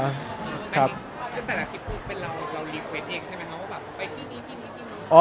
แต่ละคลิปลูกเป็นเรา